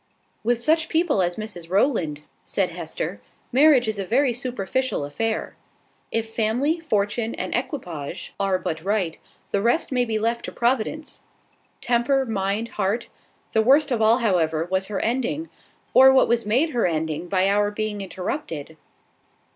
"With such people as Mrs Rowland," said Hester, "marriage is a very superficial affair. If family, fortune, and equipage are but right, the rest may be left to Providence. Temper, mind, heart . The worst of all, however, was her ending or what was made her ending by our being interrupted."